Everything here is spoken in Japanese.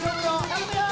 頼むよ。